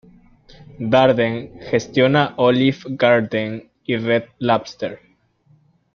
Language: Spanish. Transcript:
Darden gestiona Olive Garden y Red Lobster.